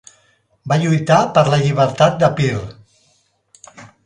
Va lluitar per la llibertat d'Epir.